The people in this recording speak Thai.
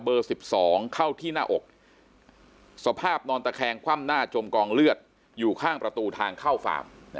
๑๒เข้าที่หน้าอกสภาพนอนตะแคงคว่ำหน้าจมกองเลือดอยู่ข้างประตูทางเข้าฟาร์ม